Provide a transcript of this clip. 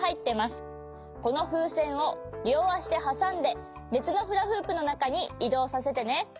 このふうせんをりょうあしではさんでべつのフラフープのなかにいどうさせてね！